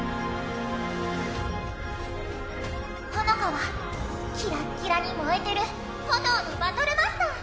ホノカはキラッキラに燃えてる炎のバトルマスター！